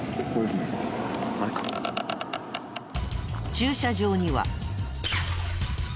駐車場には。